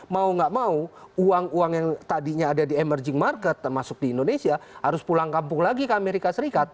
mau nggak mau uang uang yang tadinya ada di emerging market termasuk di indonesia harus pulang kampung lagi ke amerika serikat